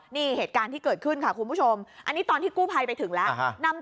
นี่เหตุการณ์ที่เกิดขึ้นค่ะคุณผู้ชมอันนี้ตอนที่กู้ภัยไปถึงแล้ว